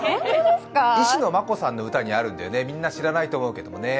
石野真子さんの歌にあるんだよね、みんな知らないと思うけどね。